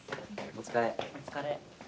お疲れ。